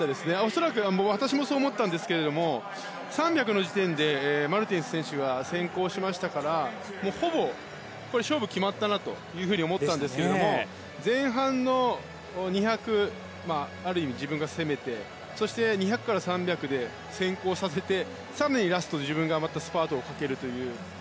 恐らく、私もそう思ったんですけど３００の時点でマルテンス選手が先行しましたからほぼ勝負は決まったなと思ってたんですけど前半の２００ある意味、自分が攻めてそして２００から３００で先行させて更にラストでスパートをかけるという。